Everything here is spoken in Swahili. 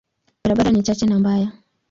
Barabara ni chache na mbaya.